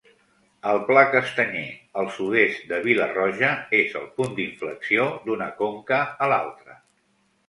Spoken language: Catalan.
El Pla Castanyer, al sud-est de Vila-roja, és el punt d'inflexió d'una conca a l'altra.